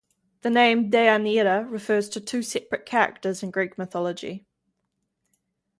The name Deianira refers to two separate characters in Greek mythology.